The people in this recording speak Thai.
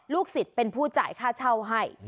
ลูกศิษย์เป็นผู้จ่ายค่าเช่าให้